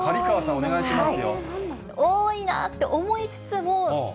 お願いします。